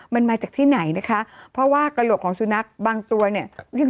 มันมาจากที่ไหนนะคะเพราะว่ากระโหลกของสุนัขบางตัวเนี่ย